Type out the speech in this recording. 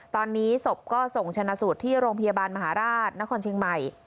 ตอนนี้ศพก็ส่งชนะสูตรที่โรงพยาบาลมหาราชนครเชียงใหม่